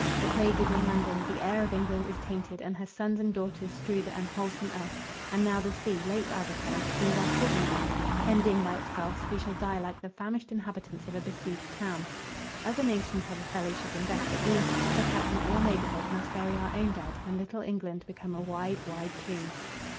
The plague is in London; the air of England is tainted, and her sons and daughters strew the unwholesome earth. And now, the sea, late our defence, seems our prison bound; hemmed in by its gulphs, we shall die like the famished inhabitants of a besieged town. Other nations have a fellowship in death; but we, shut out from all neighbourhood, must bury our own dead, and little England become a wide, wide tomb.